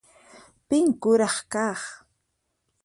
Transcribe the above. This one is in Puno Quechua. Pin kuraq kaq?